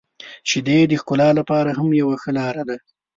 • شیدې د ښکلا لپاره هم یو ښه لاره ده.